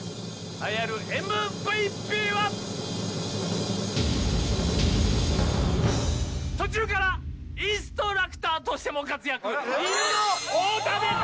栄えあるＭＶＰは途中からインストラクターとしても活躍いぬの太田です！